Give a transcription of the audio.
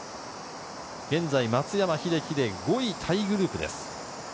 現在、松山英樹で、５位タイグループです。